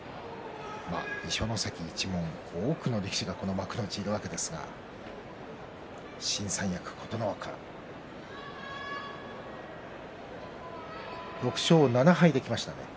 二所ノ関一門、多くの弟子がこの幕内にいるわけですが新三役、琴ノ若６勝７敗で、きましたね。